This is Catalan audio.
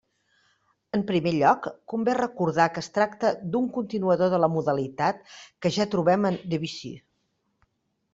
En primer lloc, convé recordar que es tracta d'un continuador de la modalitat que ja trobem en Debussy.